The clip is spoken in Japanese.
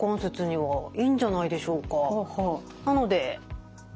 はい。